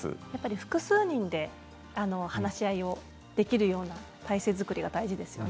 複数人で話し合いをできるような体制作りが大事ですね。